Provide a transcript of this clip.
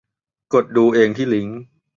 กดดูเองที่ลิงก์